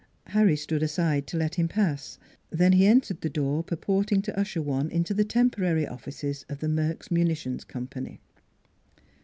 Harry stood aside to let him pass; then he entered the door purporting to usher one into the temporary offices of the Merks Munitions Company.